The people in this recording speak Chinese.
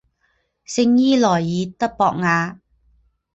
圣伊莱尔德博瓦。